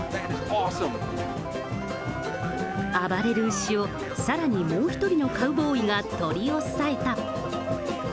暴れる牛を、さらにもう１人のカウボーイが取り押さえた。